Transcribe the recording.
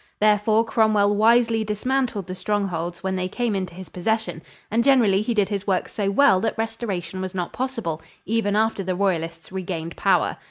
Therefore Cromwell wisely dismantled the strongholds when they came into his possession, and generally he did his work so well that restoration was not possible, even after the Royalists regained power.